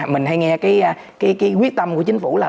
mình hay nghe cái quyết tâm của chính phủ là